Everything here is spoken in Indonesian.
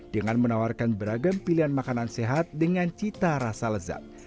dengan menawarkan beragam pilihan makanan sehat dengan cita rasa lezat